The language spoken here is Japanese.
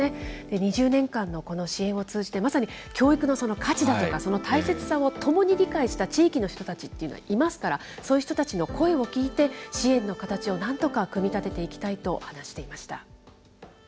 ２０年間のこの支援を通じて、まさに教育の価値だとか、その大切さを共に理解した地域の人たちというのはいますから、そういう人たちの声を聞いて、支援の形をなんとか組み立てていきたいと話していました。